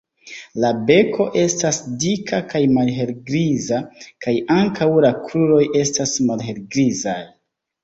La beko estas dika kaj malhelgriza kaj ankaŭ la kruroj estas malhelgrizaj.